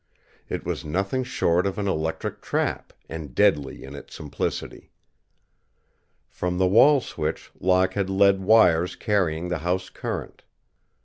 It was nothing short of an electric trap, and deadly in its simplicity. From the wall switch Locke had led wires carrying the house current.